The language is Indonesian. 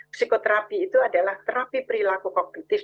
psikoterapi itu adalah terapi perilaku kognitif